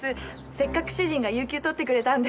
せっかく主人が有休とってくれたんで。